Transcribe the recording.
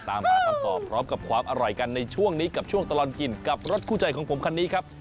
ตามหาคำตอบพร้อมกับความอร่อยกันในช่วงนี้กับช่วงตลอดกินกับรถคู่ใจของผมคันนี้ครับ